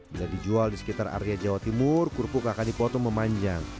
bila dijual di sekitar area jawa timur kerupuk akan dipotong memanjang